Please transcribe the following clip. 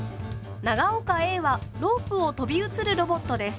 長岡Ａはロープを飛び移るロボットです。